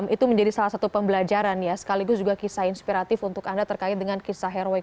itu menjadi salah satu pembelajaran ya sekaligus juga kisah inspiratif untuk anda terkait dengan kisah heroik